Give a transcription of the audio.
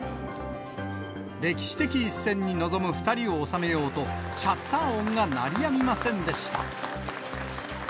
歴史的一戦に臨む２人を収めようと、シャッター音が鳴りやみませんでした。